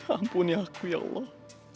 ampuni aku ya allah